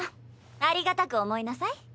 ありがたく思いなさい。